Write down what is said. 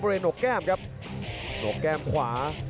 บริเวณหนกแก้มครับหนกแก้มขวา